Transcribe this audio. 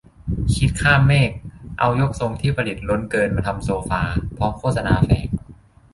'คิดข้ามเมฆ' เอายกทรงที่ผลิตล้นเกินมาทำโซฟา พร้อมโฆษณาแฝง